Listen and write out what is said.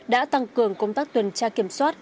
đã tăng cường công tác tuyên tra kiểm soát